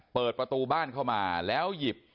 เปิดประตูบ้านเข้ามาแล้วหยิบ